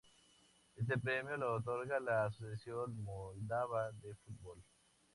Este premio lo otorga la Asociación Moldava de Fútbol.